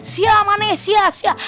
siap mana siap siap